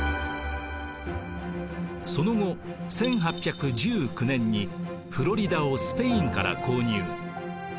その後１８１９年にフロリダをスペインから購入。